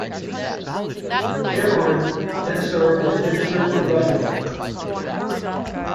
Cameron then served as Minister to Russia.